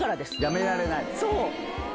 やめられない。